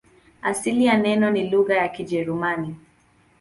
Asili ya neno ni lugha ya Kijerumani.